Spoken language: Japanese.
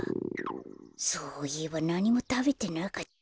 そういえばなにもたべてなかった。